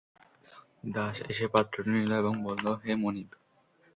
দাস এসে পাত্রটি নিল এবং বলল—হে মনিব!